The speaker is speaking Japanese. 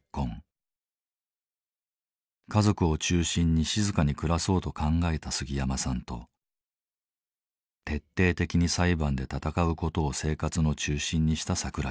家族を中心に静かに暮らそうと考えた杉山さんと徹底的に裁判で闘う事を生活の中心にした桜井さん。